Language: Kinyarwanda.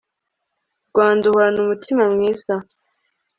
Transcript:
rwanda, uhorana umutima mwiza